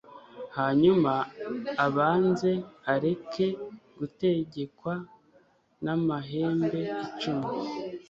hanyuma abanze areke gutegekwa n'amahembe icumi